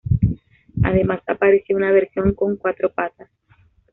Además apareció una versión con cuatro patas.